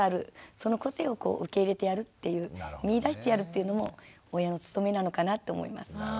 その個性を受け入れてやるっていう見いだしてやるっていうのも親の務めなのかなって思います。